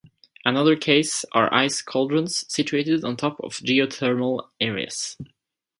Another case are ice cauldrons situated on top of geothermal areas.